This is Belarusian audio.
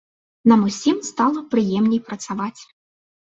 Нам усім стала прыемней працаваць.